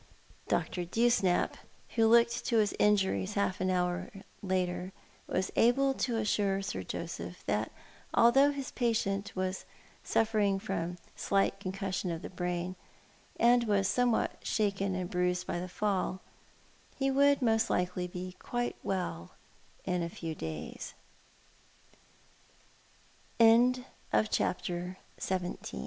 Dr. Dewsnap, who looked to his injuries half an hour after wards, was able to assure Sir Joseph that although his patient was suffering from slight concussion of the brain, and was somewhat shaken and bruised by the fall, he would most likely be quite wel